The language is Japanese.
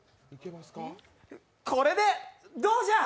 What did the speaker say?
これでどうじゃ！